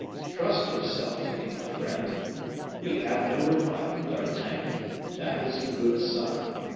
Trust yourself to me, my friend; we have no reply from D'Artagnan, that is a good sign.